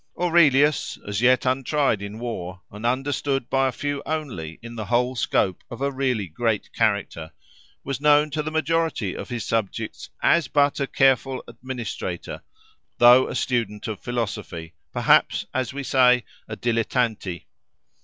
Aurelius, as yet untried in war, and understood by a few only in the whole scope of a really great character, was known to the majority of his subjects as but a careful administrator, though a student of philosophy, perhaps, as we say, a dilettante.